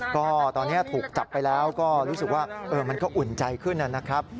ก็ตอนนี้ถูกจับไปแล้วก็รู้สึกว่ามันก็อุ่นใจขึ้นนะครับ